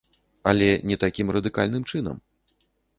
Але не такім радыкальным чынам.